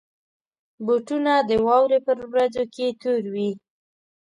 بوټونه د واورې پر ورځو کې تور وي.